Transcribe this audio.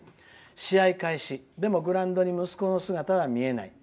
試合開始、でもグラウンドに息子の姿は見えない。